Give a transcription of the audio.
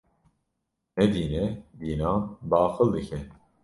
Ne dîn e, dînan baqil dike.